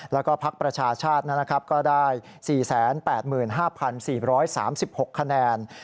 แล้วก็พักประชาชาติก็ได้๔๘๕๔๓๖คะแนน